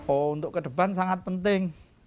oh untuk ke depan sangat penting